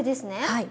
はい。